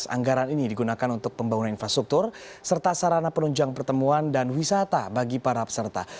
anggaran ini digunakan untuk pembangunan infrastruktur serta sarana penunjang pertemuan dan wisata bagi para peserta